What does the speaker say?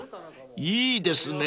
いいですね！］